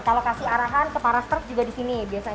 kalau kasih arahan ke para staff juga di sini biasanya